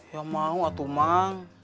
ya mau atu mang